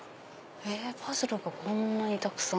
パズルがこんなにたくさん。